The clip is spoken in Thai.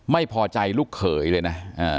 ไม่พอใจลูกเขยเลยนะ